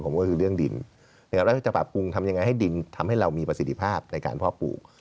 ผมก็คือเรื่องดินเราจะปรับปรุงทำยังไงให้ดินทำให้เรามีประสิทธิภาพในการเพาะปลูก